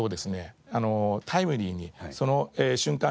タイムリーにその瞬間